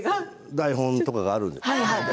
台本とかがあるのでね